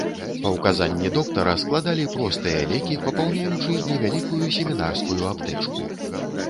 Па ўказанні доктара, складалі простыя лекі, папаўняючы невялікую семінарскую аптэчку.